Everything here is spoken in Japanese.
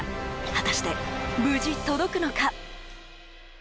果たして、無事届くのか。